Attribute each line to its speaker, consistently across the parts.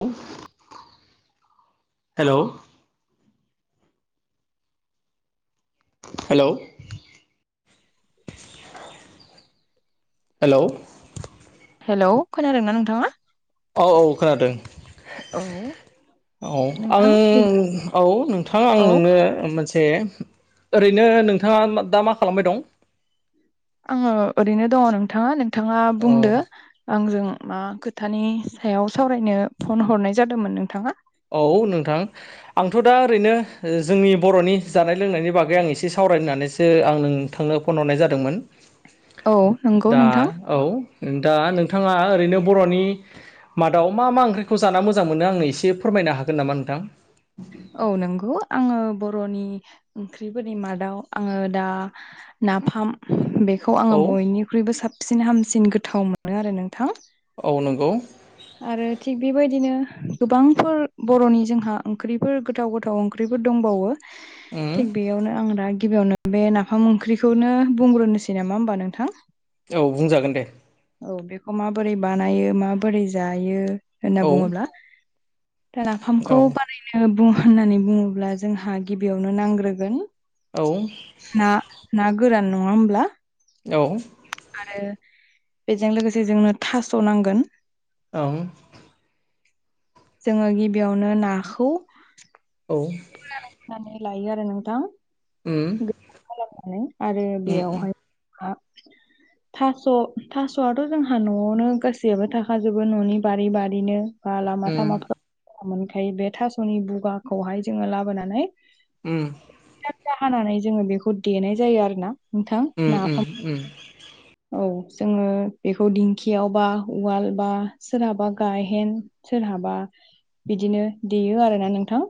Speaker 1: [unintelligible] Hello hello hello
Speaker 2: hello खोनादोंना नोंथाङा?
Speaker 1: अ औ खोनादों
Speaker 2: औ
Speaker 1: औ
Speaker 2: नोंथां बि
Speaker 1: आं औ नोंथां आं
Speaker 2: औ
Speaker 1: नोंनो मोनसे ए ओरैनो नोंथाङा मा दा मा खालामबाय दं?
Speaker 2: आङो ओरैनो दङ' नोंथाङा-नोंथाङा
Speaker 1: औ
Speaker 2: बुंदो आंजों मा खोथानि सायाव सावरायनो फन हरनाय जादोमोन नोंथाङा?
Speaker 1: औ नोंथां आंथ' दा ओरैनो ओ जोंनि बर'नि जानाय लोंनायनि बागै आं एसे सावरायनानैसो आं नोंथांनो फन हरनाय जादोंमोन।
Speaker 2: औ नंगौ
Speaker 1: दा
Speaker 2: नोंथां।
Speaker 1: औ दा नोंथाङा ओरैनो बर'नि मादाव मा - मा ओंख्रिखौ जाना मोजां मोनो आंनो एसे फोरमायनो हागोन नामा नोंथां
Speaker 2: औ नोंगौ आङो बर'नि ओंख्रिफोरनि मादाव आङो दा नाफाम बेखौ
Speaker 1: नोंथां
Speaker 2: आङो बयनिख्रुइबो साबसिन हामसिन गोथाव मोनो आरो नोंथां।
Speaker 1: औ नंगौ
Speaker 2: आरो थिग बेबायदिनो गोबांफोर बर'नि जोंहा ओंख्रिफोर गोथाव-गोथाव ओंख्रिफोर दंबावो।
Speaker 1: उम
Speaker 2: थिग बेयावनो आं दा गिबियावनो बे नाफाम ओंख्रिखौनो बुंग्रोनोसै नामा होमबा नोंथां
Speaker 1: औ बुंजागोन दे
Speaker 2: औ बेखौ माबोरै बानायो माबोरै जायो होनना
Speaker 1: औ
Speaker 2: बुङोब्ला नाफामखौ
Speaker 1: औ
Speaker 2: बानायनो बुं होननानै बुङोब्ला जोंहा गिबियावनो नांग्रोगोन
Speaker 1: औ
Speaker 2: ना-ना गोरान नङा होमब्ला?
Speaker 1: औ
Speaker 2: आरो बेजों लोगोसे जोंनो थास' नांगोन।
Speaker 1: औ
Speaker 2: जोङो गिबियावनो नाखौ
Speaker 1: औ
Speaker 2: फोरानग्रोनानै लायो आरो नोंथां।
Speaker 1: उम
Speaker 2: गोरान खालामनानै आरो
Speaker 1: उम
Speaker 2: बेयावहाय हा
Speaker 1: [unintelligible]
Speaker 2: थास' थास'आथ' जोंहा न'आवनो गासैयाबो थाखाजोबो न'नि बारि बारिनो। बा
Speaker 1: उम
Speaker 2: लामा
Speaker 1: उम
Speaker 2: सामा फोराव मोनखायो बे थास'नि बुगाखौहाय जोङो लाबोनानै।
Speaker 1: उम
Speaker 2: फिसा-फिसा हानानै जोङो बेखौ देनाय जायो आरो ना नोंथां
Speaker 1: उम उम
Speaker 2: नाफाम
Speaker 1: उम
Speaker 2: औ जोङो बेखौ दिंखियाव बा उवाल बा सोरहाबा गायहेन सोरहाबा बिदिनो देयो आरोना नोंथां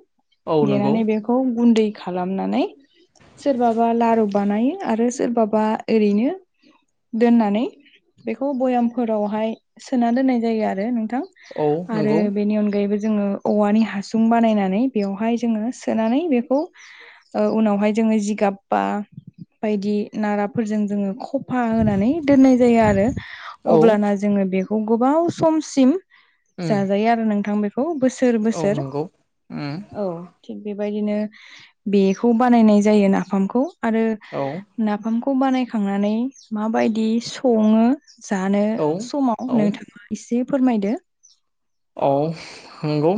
Speaker 1: औ नंगौ
Speaker 2: देनानै बे खौ गुन्दै खालामनानै सोरबाबा लारु बानायो आरो सोरबाबा ओरैनो दोननानै बेखौ भयामफोरावहाय सोना दोननाय जायो आरो नोंथां।
Speaker 1: औ
Speaker 2: आरो
Speaker 1: नंगौ
Speaker 2: बेनि अनगायैबो जोङो औवानि हासुं बानायनानै बेवहाय जोङो सोनानै बेखौ ओ उनावहाय जोङो जिगाब बा बायदि नाराफोरजों जोङो खफा होनानै दोननाय जायो आरो
Speaker 1: औ
Speaker 2: अब्लाना जोङो बेखौ गोबाव सम सिम
Speaker 1: उम
Speaker 2: जाजायो आरो नोंथां बेखौ बोसोर
Speaker 1: औ
Speaker 2: बोसोर।
Speaker 1: नंगौ उम
Speaker 2: औ थिग बेबायदिनो बेखौ बानायनाय जायो नाफामखौ आरो
Speaker 1: औ
Speaker 2: नाफामखौ बानायखांनानै माबायदि सङो? जानो
Speaker 1: औ
Speaker 2: समाव
Speaker 1: औ
Speaker 2: नोंथाङा एसे फोरमायदो।
Speaker 1: औ नंगौ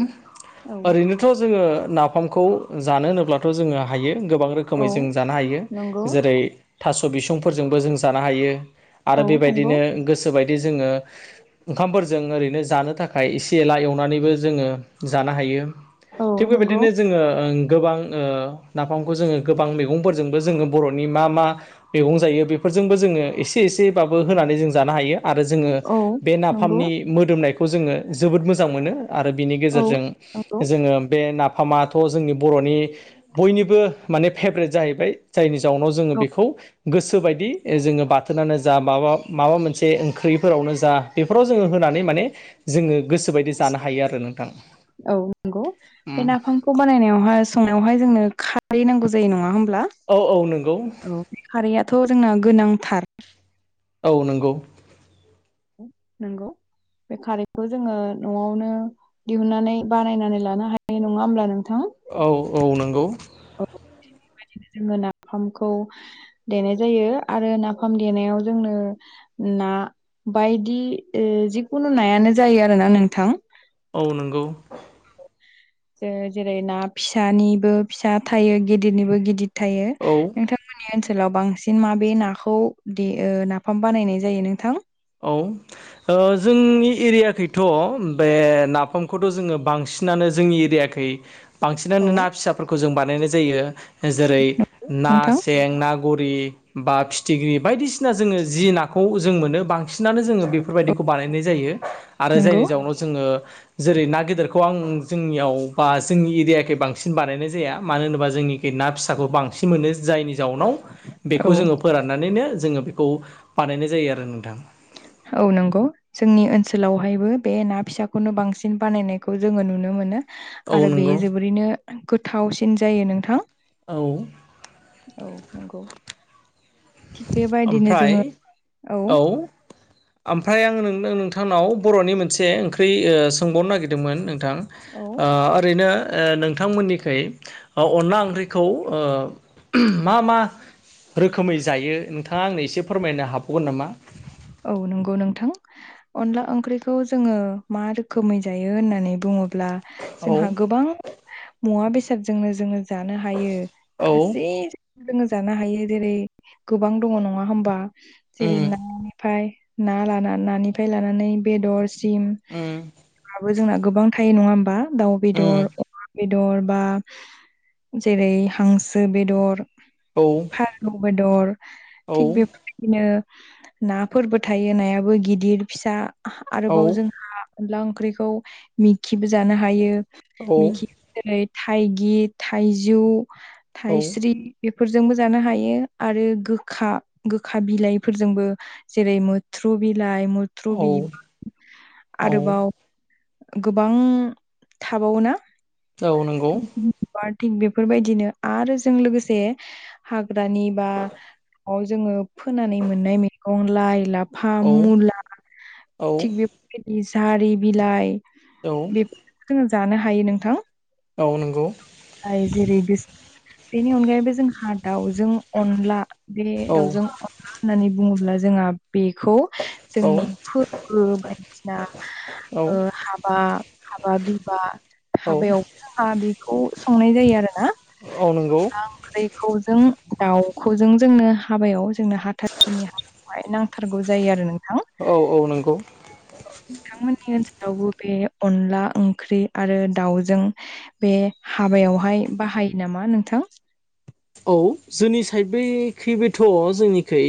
Speaker 2: औ
Speaker 1: ओरैनो थ' जोङो नाफामखौ जानो होनोब्लाथ' जोङो हायो गोबां रोखो
Speaker 2: औ
Speaker 1: खोमै जों जानो हायो
Speaker 2: नंगौ
Speaker 1: जेरै थास' बिसंफोरजोंबो जों जानो हायो।
Speaker 2: औ
Speaker 1: आरो
Speaker 2: नंगौ
Speaker 1: बेबायदिनो गोसोबायदि जोङो ओंखामफोरजों ओरैनो जानो थाख इसे एला एवनानैबो जोङो जानो हायो
Speaker 2: औ
Speaker 1: थिग
Speaker 2: नंगौ
Speaker 1: बेबायदिनो। जोङो ओं गोबां ओ नाफामखौ जोङो गोबां मैगंफोरजोंबो जोङो बर'नि मा मा मैगं जायो बेफोरजोंबो जोङो एसे एसेबाबो होनानै जों जानो हायो। आरो जोङो
Speaker 2: औ
Speaker 1: बे
Speaker 2: नंगौ
Speaker 1: नाफामनि मोदोमनायखौ जोङो जोबोद मोजां मोनो। आरो बिनि
Speaker 2: औ
Speaker 1: गेजेरजों
Speaker 2: नंगौ
Speaker 1: जोङो बे ना फामाथ' जोंनि बर'नि बयनिबो माने फेभ्रेट जाहैबाय। जायनि जाउनाव जोङो बेखौ गोसो बायदि जोङो ओ-बाथोनानो जा माबा माबा मोनसे ओंख्रिफोरावनो जा बेफोराव जोङो होनानै माने। जोङो गोसोबायदि जानो हायो आरो नोंथां ओम।
Speaker 2: बेखौ बानायनायावहाय संनायावहाय जोंनो खारै नांगौ जायो नङा होमब्ला?
Speaker 1: औ औ नंगौ।
Speaker 2: खारैआथ' जोंना गोनांथार
Speaker 1: औ नंगौ
Speaker 2: नोंगौ बे खारैखौ जोङो न'आवनो। दिहुनन्नानै बानायनानै लानो हानाय नङा होमब्ला नोंथां।
Speaker 1: औ औ नंगौ।
Speaker 2: बेदिनो जोङो नाफामखौ देनाय जायो आरो नाफाम देनायाव जोंनो। ना बायदि ओ-जिखुनु नायानो जायो आरोना नोंथां।
Speaker 1: औ नोंगौ
Speaker 2: ज-जेरै ना फिसानिबो फिसा थायो गिदिरनिबो गिदिर थायो
Speaker 1: औ
Speaker 2: नोंथां। मोननि ओनसोलाव बांसिन माबे नाखौ दे ओ-नाफाम बानायनाय जायो नोंथां?
Speaker 1: औ जोंनि एरियाखैथ' बे नाफामखौथ' जोङो बांसिनानो जोंनि एरियख बै बांसिनानो
Speaker 2: औ
Speaker 1: ना फिसाफोरखौ जों बानायनाय जायो जेरै ना
Speaker 2: नोंथां
Speaker 1: सें ना गरि बा फिथिग्रि बायदिसिना जोङो जि नाखौ जों मोनो बां सिनानो जोङो बेफोरबायदिखौ बानायनाय जायो आरो जायनि
Speaker 2: नंगौ
Speaker 1: जाउनाव जोङो जेरै ना गेदेरखौ आं जोंनियाव बा जोंनि एरियाखै बांसिन बानायनाय जाया मानो होनोबा जोंनि ना फिसाखौ बांसिन मोनो जायनि जाउनाव बेखौ
Speaker 2: औ
Speaker 1: जोङो फोरान नानैनो जोङो बेखौ बानायनाय जायो आरो नोंथां।
Speaker 2: औ नंगौ जोंनि ओनसोलावहायबो बे ना फिसाखौनो बांसिन बानायनायखौ जोङो नुनो मोनो
Speaker 1: औ
Speaker 2: आरो बे
Speaker 1: नंगौ
Speaker 2: जोबोरैनो गोथावसिन जायो नोंथां
Speaker 1: औ
Speaker 2: औ नंगौ थिग बेबायदिनो
Speaker 1: ओमफ्राय
Speaker 2: जोङो औ
Speaker 1: ओमफ्राय आं नोंथांनाव बर'नि मोनसे ओंख्रि सोंबावनो नागिरदोंमोन नोंथां
Speaker 2: औ
Speaker 1: ओ ओरैनो ओ नोंथांमोननिखै अनला ओंख्रिखौ मा मा रोखोमै जायो नोंथाङा आंनो एसे फोरमायनो हाबावगोन नामा?
Speaker 2: औ नंगौ नोंथां अनला ओंख्रिखौ जोङो मा रोखोमै जायो होननानै बुङो
Speaker 1: औ
Speaker 2: जोंहा गोबां मुवा बेसादजोंनो जोङो जानो हायो
Speaker 1: औ
Speaker 2: गासै जोङो जानो हायो जेरै गोबां दङ नङा होमबा जेरै
Speaker 1: उम
Speaker 2: ना ओमफाय ना ला नानिफ्राय लानानै बेदर सिम
Speaker 1: उम
Speaker 2: जोंना गोबां थायो नङा होमबा दाउ
Speaker 1: उम
Speaker 2: बेदर बेदर बा जेरै हांसो बेदर
Speaker 1: औ
Speaker 2: फारौ बेदर
Speaker 1: औ
Speaker 2: थिग बेफोरबायदिनो नाफोरबो थायो नायाबो गिदिर फिसा
Speaker 1: औ
Speaker 2: आरोबाव जोंहा अनला ओंख्रिखौ मिखिबो जानो हायो मिखि जेरै थाइगि थाइजौ
Speaker 1: औ
Speaker 2: थाइस्रि बेफोरजोंबो जानो हायो आरो गोखा गोखा बिलाइफोरजोंबो जेरै मुथ्रु बिलाइ मुथ्रु
Speaker 1: औ
Speaker 2: बिबार
Speaker 1: औ
Speaker 2: आरोबाव गोबां थाबावो ना
Speaker 1: औ नंगौ
Speaker 2: बा थिग बेफोरबायदिनो आरो जों लोगोसे हाग्रानि बा जोङो फोनानै मोननाय मैगं लाइ लाफा
Speaker 1: औ
Speaker 2: मुला
Speaker 1: औ
Speaker 2: थिग बेफोरबायदि जारि बिलाइ
Speaker 1: औ
Speaker 2: बेफोर जोङो जानो हायो नोंथां
Speaker 1: औ नंगौ
Speaker 2: जाय जेरै गोसो बेनि अनगायैबो जोंहा दाउजों अनला बे
Speaker 1: औ
Speaker 2: दाउजों मा होननानै बुङोब्ला जोंहा बेखौ
Speaker 1: औ
Speaker 2: जोंनि फोरबो बायदिसिना ओ
Speaker 1: औ
Speaker 2: हाबा हाबा बिबा
Speaker 1: औ
Speaker 2: हाबायावबो जोंहा बेखौ संनाय जायो आरोना
Speaker 1: औ नंगौ
Speaker 2: अनला ओंख्रिखौ जों दाउखौ जों जोंनो हाबायाव जोंनो हाथासुनि हा बेहाय नांथारगौ जायो आरो नोंथां
Speaker 1: औ औ नंगौ
Speaker 2: नोंथांमोननि ओनसोलावबो बे अनला ओंख्रि आरो दाउजों बे हाबायावहाय बाहायो नामा नोंथां?
Speaker 1: औ जोंनि साइड बैखैबोथ' जोंनिखै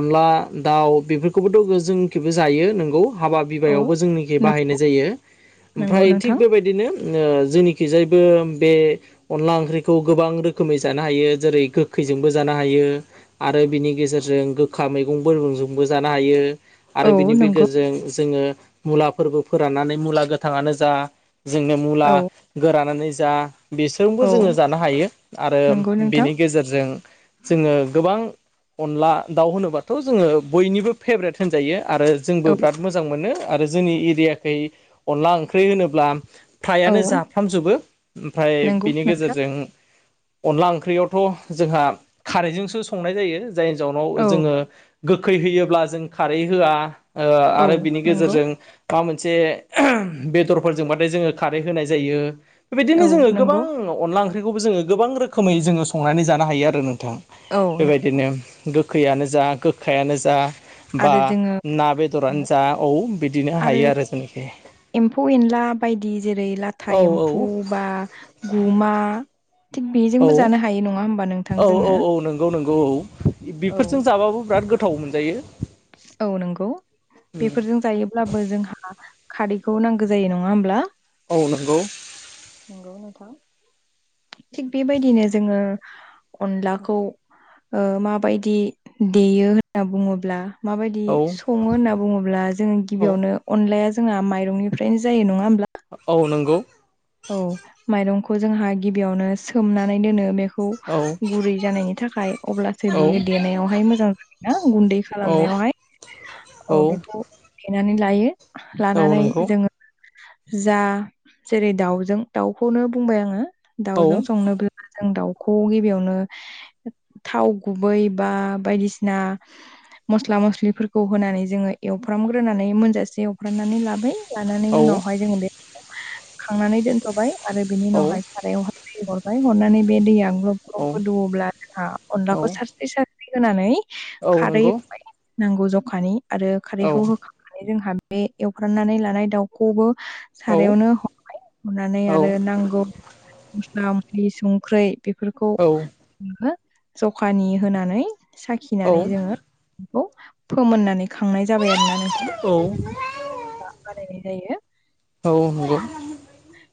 Speaker 1: अनला दाउ बेफोरखौबोथ' जोंखैबो जायो नोंगौ हाबा
Speaker 2: औ
Speaker 1: बिबायावबो जोंनिखि
Speaker 2: नं
Speaker 1: बाहायनाय जायो
Speaker 2: नंगौ
Speaker 1: ओमफ्राय थिग
Speaker 2: नोंथां
Speaker 1: बेबायदिनो जोंनिखिजायबो बे अनला ओंख्रिखौ गोबां रोखोमै जा ना हायो जेरै गोखैजोंबो जानो हायो। आरो बिनि गेजेरजों गोखा मैगंफोरबो जानो हायो। आरो
Speaker 2: औ
Speaker 1: बिनि
Speaker 2: नंगौ
Speaker 1: गेजेरजों जोंङो मुलाफोरबो फोराननानै मुला गोथाङानो जा जोंनो मुला
Speaker 2: औ
Speaker 1: गोरानानै जा बिसोरजोंबो
Speaker 2: औ
Speaker 1: जोंङो जानो हायो आरो
Speaker 2: नंगौ नोंथां
Speaker 1: बेनि गेजेरजों जोंङो गोबां अनला दाउ होनोब्लााथ' जोंङो बयनिबो फेब्रेट होनजायो आरो जोंबो
Speaker 2: औ
Speaker 1: बिराद मोजां मोनो। आरो जोंनि एरियाखै अनला ओंख्रि होनोब्ला
Speaker 2: औ
Speaker 1: फ्रायानो जाफ्रामजोबो ओमफ्राय
Speaker 2: नंगौ
Speaker 1: बिनि
Speaker 2: नोंथां
Speaker 1: गेजेरजों अनला ओंख्रियावथ' जोंहा खारैजोंसो संनाय जायो जायनि जाउनाव
Speaker 2: औ
Speaker 1: जोंङो गोखै होयोब्ला जों खारै होआ
Speaker 2: औ
Speaker 1: आरो बिनि
Speaker 2: नंगौ
Speaker 1: गेजेरजों माबा मोनसे बेदरफोरजोंबाथाय जोंङो खारै होनाय जायो। बेबायदिनो
Speaker 2: औ
Speaker 1: जोंङो गोबां
Speaker 2: नंगौ
Speaker 1: अनला ओंख्रिखौबो जोंङो गोबां रोखोमै जोंङो संनानै जानो हायो आरो नोंथां।
Speaker 2: औ नंगौ
Speaker 1: बेबायदिनो गोखैयानो जा गोखायानो जा बा
Speaker 2: आरो जोङो
Speaker 1: ना बेदरानो जा औ बिदिनो हायो आरो ज
Speaker 2: एम्फौ एनला बायदि जेरै लाथा
Speaker 1: औ औ
Speaker 2: एम्फौ बा गुमा जोंबो
Speaker 1: औ
Speaker 2: जानो हायो नङा होमबा नोंथां
Speaker 1: औ औ
Speaker 2: जोङो
Speaker 1: औ नंगौ नंगौ औ
Speaker 2: औ
Speaker 1: बेफोरजों जाबाबो बिराद गोथाव मोनजायो।
Speaker 2: औ नंगौ
Speaker 1: उम
Speaker 2: बेफोरजों जायो अब्लाबो जोंहा खारैखौ नांगौ जायो नङा होमब्ला
Speaker 1: औ नंगौ
Speaker 2: नंगौ नोंथां थिग बेबायदिनो जोंङो अनलाखौ माबायदि देयो होनना बुङोब्ला माबायदि
Speaker 1: औ
Speaker 2: संङो होनना बुङोब्ला जोंङो
Speaker 1: औ
Speaker 2: गिबियावनो अनलाया जोंना माइरंनिफ्रायनो जायो नङा होमब्ला
Speaker 1: औ नंगौ
Speaker 2: औ माइरंखौ जोंहा गिबियावनो सोमनानै दोनो बे खौ
Speaker 1: औ
Speaker 2: गुरै जानायनि थाखाय अब्लासो
Speaker 1: औ
Speaker 2: बियो देनायावहाय मोजां ज ना गुन्दै
Speaker 1: औ
Speaker 2: खालामनायावहाय अ बेखौ देनानै लायो।
Speaker 1: औ
Speaker 2: लानानै
Speaker 1: नंगौ
Speaker 2: जोंङो जा जेरै दाउजों दाउखौनो बुंबाय आंङो
Speaker 1: औ
Speaker 2: दाउजों संनो जों दाउखौ गिबियावनो थाव गुबै बा बायदिसिना मस्ला मस्लि फोर खौ होनानै जोंङो एवफ्रामग्रोनानै मोनजासे एवफ्रामनानै लाबाय लानानै उनावहाय जोंङो बे खांनानै दोनथ'बाय आरो बिनि उनावहाय सारायावहाय दै हरबाय हरनानै बे दैया ग्लब ग्लब
Speaker 1: औ औ
Speaker 2: गोदौओब्ला जोंहा अनलाखौ सार स्रि होनानै
Speaker 1: औ
Speaker 2: खारै
Speaker 1: नंगौ
Speaker 2: होबाय नांगौ जखानि आरो
Speaker 1: औ
Speaker 2: खारैखौ होखां आरो जोंहा बे एवफ्रामनानै लानाय दाउखौबो
Speaker 1: औ
Speaker 2: सारायावनो हरबाय हनानै
Speaker 1: औ
Speaker 2: आरो नांगौ मस्ला मस्लि संख्रै बेफोरखौ
Speaker 1: औ
Speaker 2: ओ जखानि होनानै साखिनानै जोंङो बेखौ फोमोननानै खांनाय जाबाय आरोना नों
Speaker 1: औ
Speaker 2: बानायनाय जायो
Speaker 1: औ नंगौ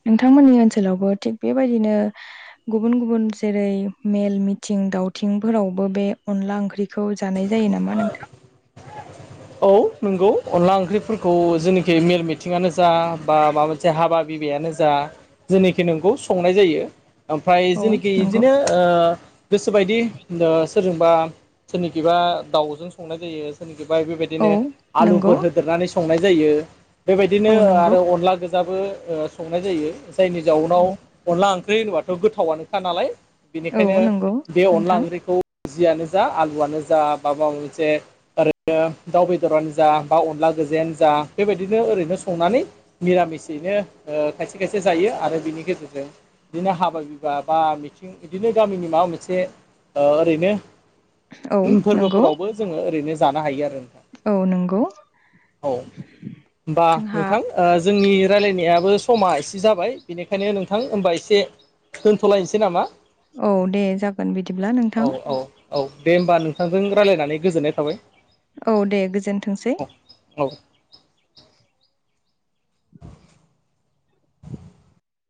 Speaker 2: नोंथांमोननि ओनसोलावबो थिग बेबायदिनो गुबुन गुबुन जेरै मेल मिथिं दावथिंफोरावबो बे अनला ओंख्रि खौ जानाय जायो नामा नोंथां?
Speaker 1: औ नंगौ अनला ओंख्रिफोरखौ जेनाखि मेल मिथिंगानो जा बा माबा जे हाबा बिबैयानो जा जोंनिखै नोंगौ संनाय जायो। ओमफ्राय
Speaker 2: औ
Speaker 1: जोंनिखि
Speaker 2: नंगौ
Speaker 1: बिदिनो गोस बायदि सोरजोंबा सोरनिखिबा दाउजों संनाय जायो सोरनिखिबा
Speaker 2: औ
Speaker 1: बिदिनो
Speaker 2: नंगौ
Speaker 1: आलुफोर होदेरनानै संनाय जायो बेबायदिनो
Speaker 2: औ नंगौ
Speaker 1: आरो अनलाजों जाबो ओ संनाय जायो जायनि जाउनाव अनला ओंख्रि होनोबाथ' गोथावनोखा नालाय।
Speaker 2: औ
Speaker 1: बेनिखायनो
Speaker 2: नंगौ
Speaker 1: बे अनला
Speaker 2: नोंथां
Speaker 1: ओंख्रिखौ जियानो जा आलुआनो जा माबा मोनसे ओरैनो दाउ बेदरानो जा बा अनला गोजायानो जा बेबायदिनो ओरैनो संनानै निरामिसयैनो खायसे खायसे जायो आरो बिनि गेजेरजों बिदिनो हाबा बिबा बा मिथिं बिदिनो गामिनि माबा मोनसे ओरैनो
Speaker 2: औ नंगौ
Speaker 1: फोरबोफोरावबो जोङो ओरैनो जानो हायो आरो नोंथां।
Speaker 2: औ नंगौ।
Speaker 1: औ होनबा
Speaker 2: जोंहा
Speaker 1: नोंथां जोंनि रायलायनायाबो समा एसे जाबाय बेनिखायनो नोंथां होमबा एसे दोनथ'लायनोसै नामा?
Speaker 2: औ दे जागोन बिदिब्ला
Speaker 1: औ
Speaker 2: नोंथां।
Speaker 1: औ औ दे होमबा नोंथांजों रायज्लायनानै गोजोननाय थाबाय।
Speaker 2: औ दे गोजोनथोंसै।
Speaker 1: औ